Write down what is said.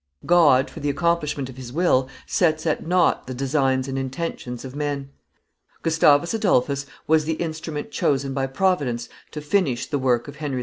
God, for the accomplishment of his will, sets at nought the designs and intentions of men. Gustavus Adolphus was the instrument chosen by Providence to finish the work of Henry IV.